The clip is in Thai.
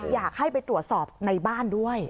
อยากให้ไปตรวจสอบในบ้านด้วย